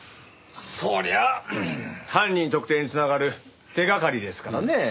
そりゃあ犯人特定に繋がる手掛かりですからね。